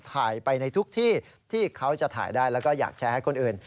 ถ่ายไปในทุกที่ที่เขาจะถ่ายได้แล้วก็อยากแชร์ให้คนอื่น